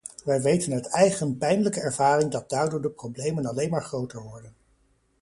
Wij weten uit eigen pijnlijke ervaring dat daardoor de problemen alleen maar groter worden.